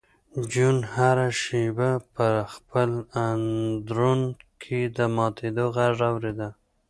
جون هره شېبه په خپل اندرون کې د ماتېدو غږ اورېده